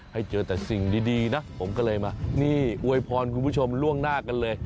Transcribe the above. ให้เจอแต่สิ่งดีนะผมก็เลยมานี่อวยพรคุณผู้ชมล่วงหน้ากันเลย